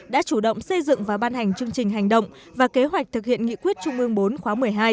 đã chủ động xây dựng và ban hành chương trình hành động và kế hoạch thực hiện nghị quyết trung ương bốn khóa một mươi hai